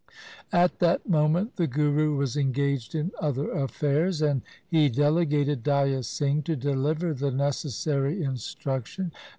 At that moment the Guru was engaged in other affairs, and he delegated Daya Singh to deliver the necessary instruction.